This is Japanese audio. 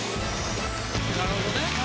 なるほどね。